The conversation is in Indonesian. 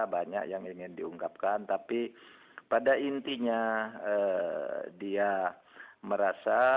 banyak yang ingin diungkapkan tapi pada intinya dia merasa